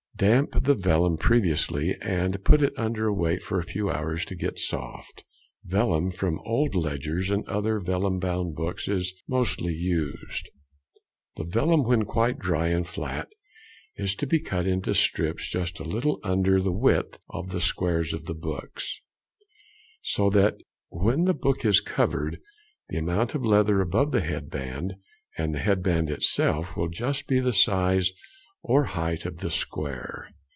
Damp the vellum previously and put it under a weight for a few hours to get soft. Vellum from old ledgers and other vellum bound books is mostly used. The vellum when quite dry and flat is to be cut into strips just a little under the width of the squares of the books, so that when the book is covered, the amount of leather above the head band and the head band itself will be just the size or height of the square.